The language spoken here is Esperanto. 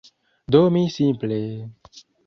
Do mi simple…